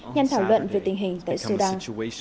nhằm thảo luận về tình hình tại sudan